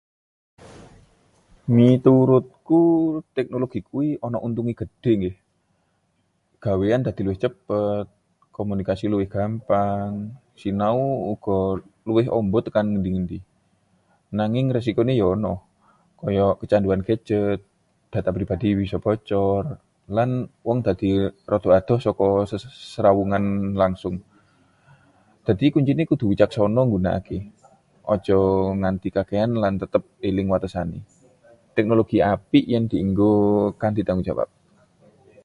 Miturutku, teknologi kuwi ana untunge gedhe, nggih. Gaweyan dadi luwih cepet, komunikasi luwih gampang, sinau uga luwih amba tekan ngendi-endi. Nanging risikone yo ana, kaya kecanduan gadget, data pribadi bisa bocor, lan wong dadi rada adoh saka sesrawungan langsung. Dadi kuncine kudu wicaksana nggunakke, aja nganti kakehan lan tetep eling watesane. Teknologi apik yen dienggo kanthi tanggung jawab.